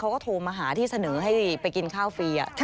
เขาก็โทรมาหาที่เสนอให้ไปกินข้าวฟรี